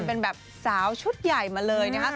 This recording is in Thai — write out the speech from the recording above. เป็นแบบสาวชุดใหญ่มาเลยนะคะ